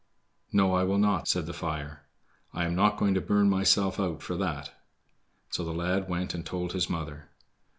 "No, I will not," said the fire; "I am not going to burn myself out for that." So the lad went and told his mother.